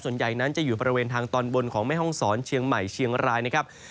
ส่วนใหญ่นั้นจะอยู่บริเวณทางตอนบนของแม่ห้องศรเชียงใหม่เชียงรายนะครับ